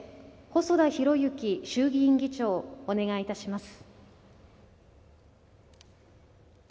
細田博之衆議院議長お願いいたします。